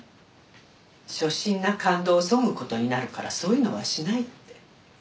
初心な感動を削ぐ事になるからそういうのはしないって。